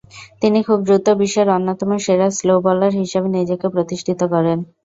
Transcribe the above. তিনি খুব দ্রুত বিশ্বের অন্যতম সেরা স্লো বোলার হিসেবে নিজেকে প্রতিষ্ঠিত করেন।